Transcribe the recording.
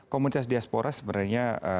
komunitas diaspora sebenarnya